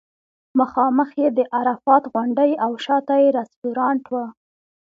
مخامخ یې د عرفات غونډۍ او شاته یې رستورانټ و.